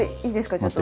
ちょっと。